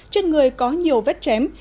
trên người có nhiều vết chém